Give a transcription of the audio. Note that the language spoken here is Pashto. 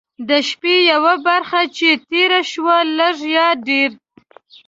د شپې یوه برخه چې تېره شوه لږ یا ډېر.